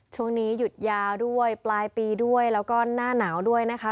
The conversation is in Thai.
ช่วงนี้หยุดยาวด้วยปลายปีด้วยแล้วก็หน้าหนาวด้วยนะคะ